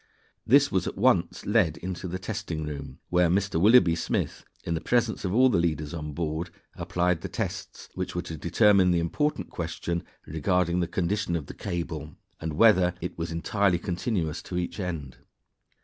This was at once led into the testing room, where Mr. Willoughby Smith, in the presence of all the leaders on board, applied the tests which were to determine the important question regarding the condition of the cable, and whether it was entirely continuous to each end.